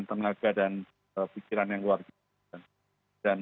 tenaga dan pikiran yang luar biasa